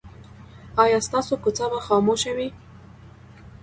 ایا ستاسو کوڅه به خاموشه وي؟